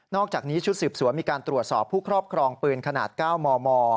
อกจากนี้ชุดสืบสวนมีการตรวจสอบผู้ครอบครองปืนขนาด๙มม